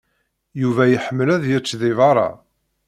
Yuba iḥemmel ad yečč deg beṛṛa.